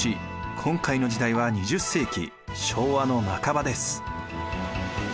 今回の時代は２０世紀昭和の半ばです。